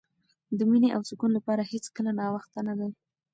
د مینې او سکون لپاره هېڅکله ناوخته نه وي.